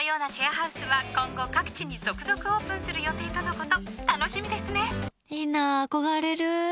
このようなシェアハウスは今後、各地で続々オープンする予定とのこと。